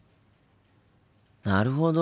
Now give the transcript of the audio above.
なるほど。